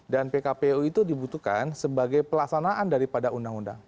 dan pkpu itu dibutuhkan sebagai pelaksanaan dari undang undang